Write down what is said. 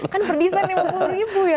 kan berdisan lima puluh ribu ya tuhan